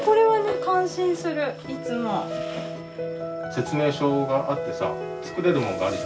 説明書があってさ作れるものがあるじゃない？